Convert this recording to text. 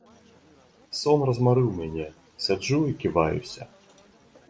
Сон размарыў мяне, сяджу і ківаюся.